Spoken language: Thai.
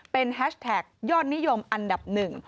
เป็นแฮชแท็กยอดนิยมอันดับหนึ่ง